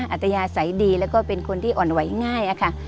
อัตยาศัยดีแล้วก็เป็นคนที่อ่อนไหวง่ายค่ะ